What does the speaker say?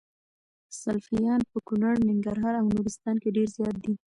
سلفيان په کونړ ، ننګرهار او نورستان کي ډير زيات دي